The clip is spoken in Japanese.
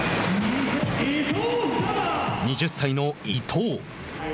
２０歳の伊藤。